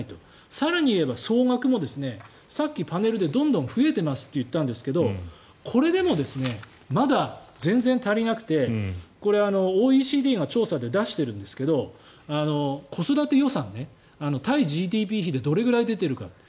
更に言えば総額もさっきパネルでどんどん増えてますと言ったんですけどこれでも、まだ全然足りなくてＯＥＣＤの調査で出しているんですけど子育て予算、対ＧＤＰ比でどれくらい出ているか。